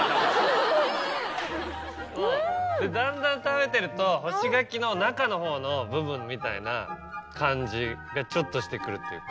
だんだん食べてると干し柿の中の方の部分みたいな感じがちょっとしてくるっていうか。